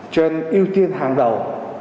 cho nên ưu tiên hàng đầu